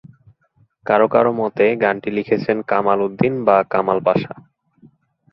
কারো কারো মতে, গানটি লিখেছেন কামাল উদ্দিন বা কামাল পাশা।